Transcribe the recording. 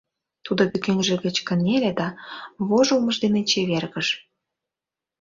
Тудо пӱкенже гыч кынеле да вожылмыж дене чевергыш.